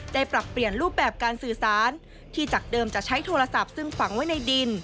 ปรับเปลี่ยนรูปแบบการสื่อสารที่จากเดิมจะใช้โทรศัพท์ซึ่งฝังไว้ในดิน